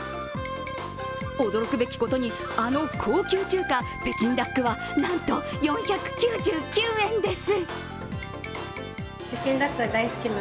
驚くべきことに、あの高級中華、北京ダックはなんと４９９円です。